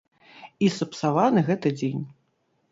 І сапсаваны гэты дзень!